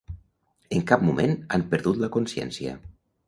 En cap moment han perdut la consciència.